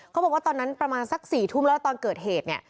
เขาบอกว่าตอนนั้นประมาณสัก๔ทุ่มแล้วตอนเกิดเหตุเนี่ย